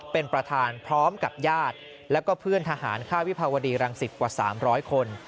เป็นประธานพร้อมกับญาติแล้วก็เพื่อนทหารค่าวิภาวดีรังสิตกว่า๓๐๐คน